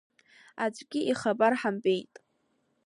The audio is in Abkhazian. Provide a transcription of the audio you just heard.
Аӡәгьы ихабар ҳамбеит.